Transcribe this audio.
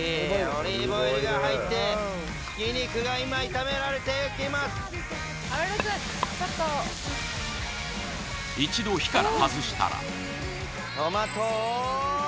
オリーブオイルが入ってひき肉が今炒められていきます一度火から外したらトマト！